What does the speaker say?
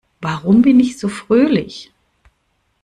Warum bin ich so fröhlich?